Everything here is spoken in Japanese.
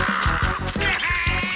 うわ！